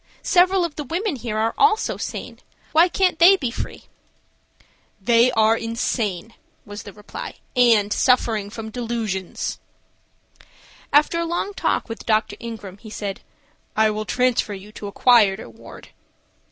Several of the women here are also sane. Why can't they be free?" "They are insane," was the reply, "and suffering from delusions." After a long talk with Dr. Ingram, he said, "I will transfer you to a quieter ward."